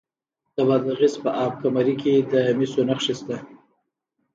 د بادغیس په اب کمري کې د مسو نښې شته.